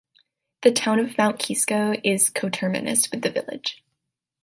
The town of Mount Kisco is coterminous with the village.